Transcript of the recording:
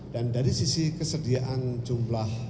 dan dari sisi kesediaan jumlah cuti